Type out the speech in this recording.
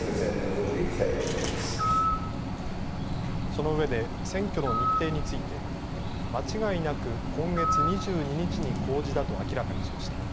その上で、選挙の日程について間違いなく今月２２日に公示だと明らかにしました。